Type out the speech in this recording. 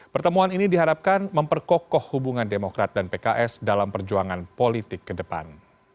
pertemuan ini diharapkan memperkokoh hubungan demokrat dan pks dalam perjuangan politik ke depan